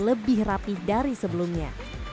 lebih rapi dari sebelumnya